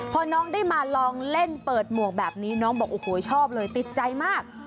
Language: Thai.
พอน้องได้มาลองเล่นเปิดหมวกแบบนี้น้องบอกโอ้โหชอบเลยติดใจมาก